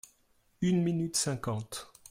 Une minute cinquante.